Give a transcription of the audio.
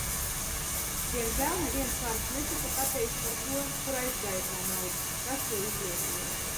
Diemžēl neviens vārds netika pateikts par to, kur aizgāja tā nauda, kas to izlietoja.